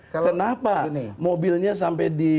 kenapa mobilnya sampai di